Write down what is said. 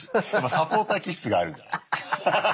サポーター気質があるんじゃない？